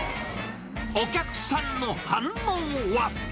お客さんの反応は。